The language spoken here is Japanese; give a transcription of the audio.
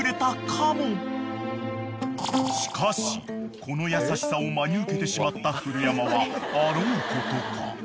［しかしこの優しさを真に受けてしまった古山はあろうことか］